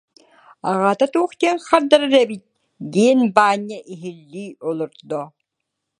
Аҕата туох диэн хардарар эбит диэн Баанньа иһиллии олордо.